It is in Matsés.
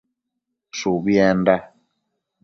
Shubienda